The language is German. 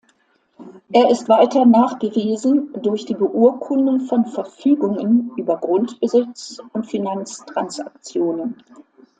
Er ist weiter nachgewiesen durch die Beurkundung von Verfügungen über Grundbesitz und Finanztransaktionen.